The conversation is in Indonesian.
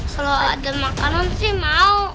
kalau ada makanan sih mau